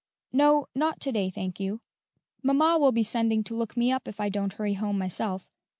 "No, not to day, thank you. Mamma will be sending to look me up if I don't hurry home myself.